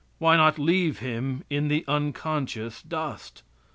Why not leave him in the unconscious dust?